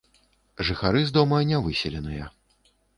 Жыхары з дома не выселеныя.